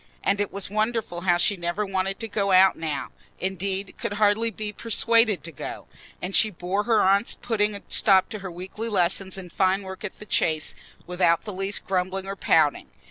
And it was wonderful how she never wanted to go out now—indeed, could hardly be persuaded to go; and she bore her aunt's putting a stop to her weekly lesson in fine work at the Chase without the least grumbling or pouting.